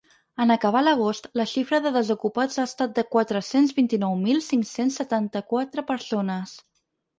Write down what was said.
En acabar l’agost, la xifra de desocupats ha estat de quatre-cents vint-i-nou mil cinc-cents setanta-quatre persones.